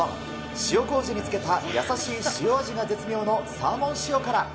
塩こうじに漬けた優しい塩味が絶妙のサーモン塩辛。